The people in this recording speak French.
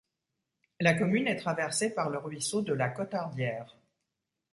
La commune est traversée par le ruisseau de la Cotardière.